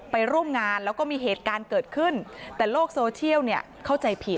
ไปร่วมงานแล้วก็มีเหตุการณ์เกิดขึ้นแต่โลกโซเชียลเนี่ยเข้าใจผิด